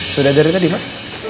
sudah dari tadi pak